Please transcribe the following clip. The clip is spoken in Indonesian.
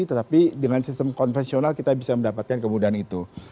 tetapi dengan sistem konvensional kita bisa mendapatkan kemudahan itu